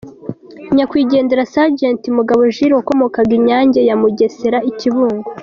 – Nyakwigendera Sgt Mugabo Jules wakomokaga i Nyange ya Mugesera i Kibungo